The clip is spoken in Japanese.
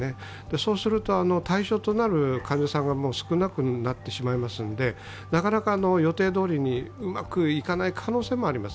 そうすると対象となる患者さんが少なくなってしまいますのでなかなか予定どおりにうまくいかない可能性もあります。